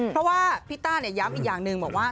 เพราะว่าพี่ต้าย้ำอีกอย่างหนึ่งบอกว่า